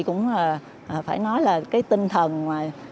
cũng phải nói là tinh thần